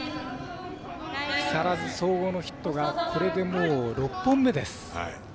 木更津総合のヒットがこれで、もう６本目です。